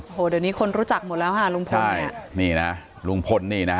โอ้โหเดี๋ยวนี้คนรู้จักหมดแล้วค่ะลุงพลใช่นี่นะลุงพลนี่นะฮะ